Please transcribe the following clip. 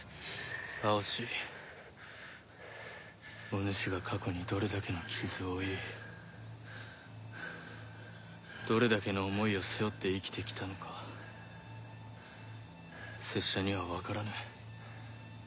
お主が過去にどれだけの傷を負いどれだけの思いを背負って生きて来たのか拙者には分からぬ。